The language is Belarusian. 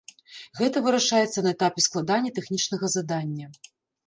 Гэта вырашаецца на этапе складання тэхнічнага задання.